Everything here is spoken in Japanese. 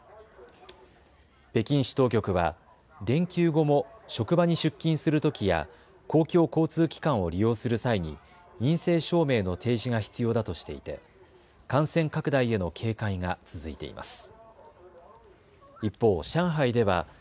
北京市当局は連休後も職場に出勤するときや公共交通機関を利用する際に陰性証明の提示が必要だとしていて感染拡大への警戒が続いています。